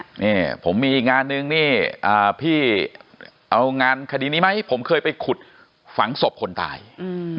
นี่ผมมีอีกงานนึงนี่อ่าพี่เอางานคดีนี้ไหมผมเคยไปขุดฝังศพคนตายอืม